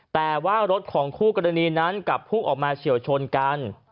แต่ว่ารถของคู่กรณีนั้นกลับพุ่งออกมาเฉียวชนกัน